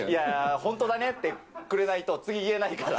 本当だねってくれないと、次言えないから。